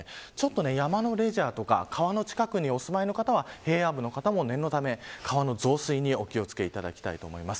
山のレジャーとか川の近くにお住まいの方は平野部の方も、念のため川の増水にお気を付けいただきたいと思います。